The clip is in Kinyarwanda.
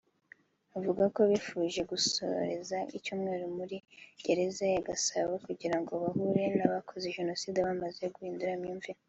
avuga ko bifuje gusoreza icyumweru muri Gereza ya Gasabo kugirango bahure n’abakoze jenoside bamaze guhindura imyumvire